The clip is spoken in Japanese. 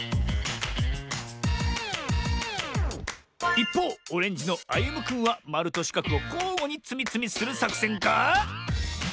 いっぽうオレンジのあゆむくんはまるとしかくをこうごにつみつみするさくせんか？